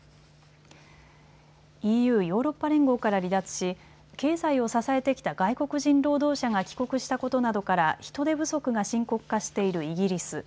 ＥＵ・ヨーロッパ連合から離脱し経済を支えてきた外国人労働者が帰国したことなどから人手不足が深刻化しているイギリス。